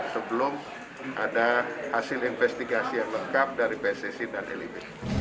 sebelum ada hasil investigasi yang lengkap dari pssi dan lib